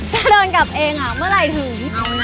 ถ้าเดินกลับเองเมื่อไหร่ถึง